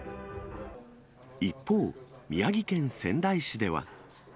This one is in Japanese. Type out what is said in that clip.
一方、宮城県仙台市では。